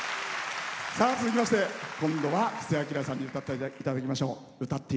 続きまして今度は布施明さんに歌っていただきましょう。